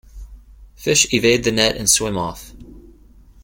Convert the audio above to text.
Fish evade the net and swim off.